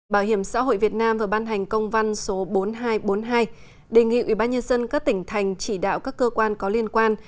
bảo hiểm xã hội việt nam vừa ban hành công văn số bốn nghìn hai trăm bốn mươi hai đề nghị ubnd các tỉnh thành chỉ đạo các cơ quan có liên quan